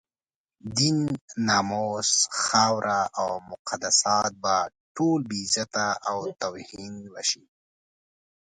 دين، ناموس، خاوره او مقدسات به ټول بې عزته او توهین به شي.